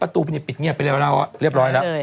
ตัวปิดเงียบไปเรียบร้อยแล้ว